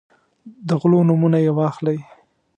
د غلو نومونه یې واخلئ.